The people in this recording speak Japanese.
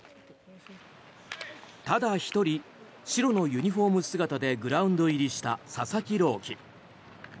ただ１人白のユニホーム姿でグラウンド入りした佐々木朗希。